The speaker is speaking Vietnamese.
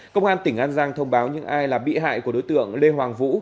công an tỉnh an giang thông báo những ai là bị hại của đối tượng lê hoàng vũ